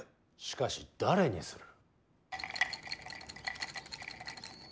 しかし誰にする。